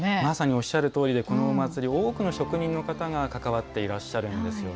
おっしゃるとおりでこのお祭り、多くの職人の方が関わっていらっしゃいます。